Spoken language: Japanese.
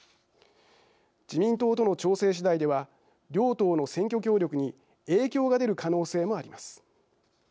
自民党との調整次第では両党の選挙協力に影響が出る可能性もあります。